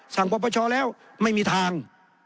สั่งประประชาแล้วไม่มีทาง